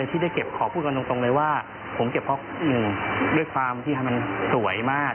ที่ได้เก็บขอพูดกันตรงเลยว่าผมเก็บเพราะหนึ่งด้วยความที่มันสวยมาก